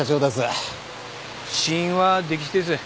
死因は溺死です。